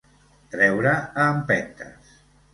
Treure a empentes.